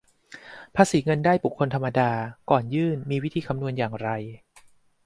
ภาษีเงินได้บุคคลธรรมดา ก่อนยื่นมีวิธีคำนวณอย่างไร